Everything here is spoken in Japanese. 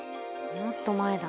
もっと前だ。